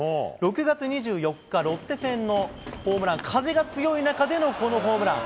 ６月２４日、ロッテ戦のホームラン、風が強い中でのこのホームラン。